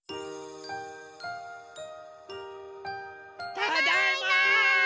ただいま！